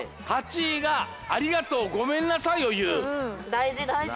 だいじだいじ。